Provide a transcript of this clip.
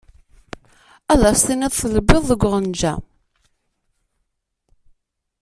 Ad s-tiniḍ telbiḍ deg uɣenǧa.